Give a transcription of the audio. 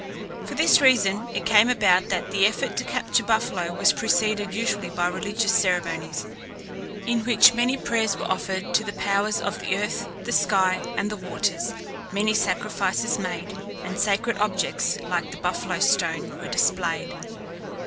For this reason it came about that the effort to capture buffalo was preceded usually by religious ceremonies, in which many prayers were offered to the powers of the earth, the sky, and the waters, many sacrifices made, and sacred objects, like the buffalo stone, were displayed.